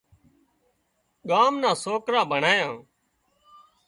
ڳام نان سوڪران ڀڻيان